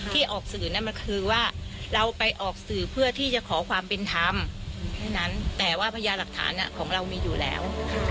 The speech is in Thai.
แต่ว่าพยานหลักฐานของเรามีอยู่แล้ว